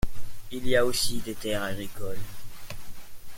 Il y a aussi des terres agricoles.